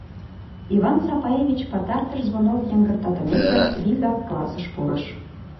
Иван Сапаевич, пытартыш звонок йыҥгыртатымеке, вигак классыш пурыш.